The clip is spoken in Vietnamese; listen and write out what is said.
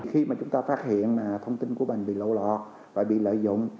khi mà chúng ta phát hiện thông tin của mình bị lộ lọt và bị lợi dụng